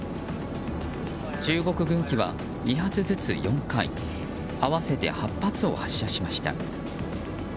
中国軍機は２発ずつ４回合わせて８発を発射しました。